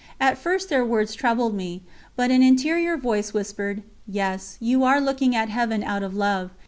At first their words troubled me, but an interior voice whispered: 'Yes, you were looking to Heaven out of love.